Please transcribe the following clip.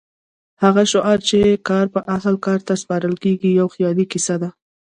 هغه شعار چې کار به اهل کار ته سپارل کېږي یو خیالي کیسه ده.